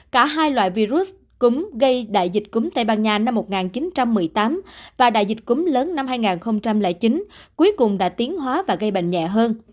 cả hai loại virus cúm gây đại dịch cúm tây ban nha năm một nghìn chín trăm một mươi tám và đại dịch cúm lớn năm hai nghìn chín cuối cùng đã tiến hóa và gây bệnh nhẹ hơn